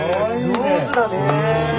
上手だね。